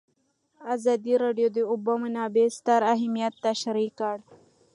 ازادي راډیو د د اوبو منابع ستر اهميت تشریح کړی.